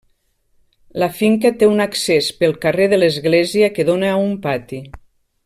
La finca té un accés pel carrer de l'Església que dóna a un pati.